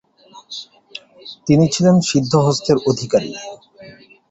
তিনি ছিলেন সিদ্ধহস্তের অধিকারী।